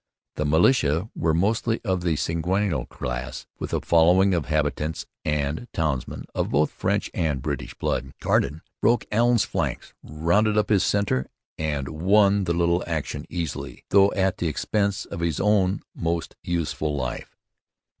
The militia were mostly of the seigneurial class with a following of habitants and townsmen of both French and British blood. Carden broke Allen's flanks rounded up his centre, and won the little action easily, though at the expense of his own most useful life.